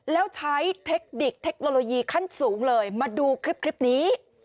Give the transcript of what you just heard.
แล้วใช้เทคนิคเทคโนโลยีขั้นสูงเลยมาดูคลิปนี้